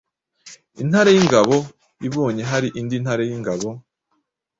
intare y’ingabo ibonye hari indi ntare y’ingabo